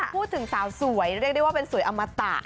พูดถึงสาวสวยเรียกได้ว่าเป็นสวยอมตะ